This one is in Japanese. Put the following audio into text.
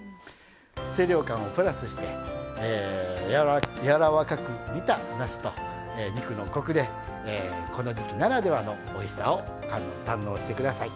清涼感をプラスしてやわらかく煮たなすと肉のコクで、この時季ならではのおいしさを堪能してください。